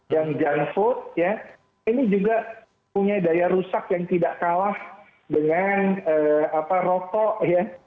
dan junk food ya ini juga punya daya rusak yang tidak kalah dengan rokok ya